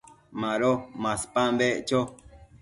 Mado maspan beccho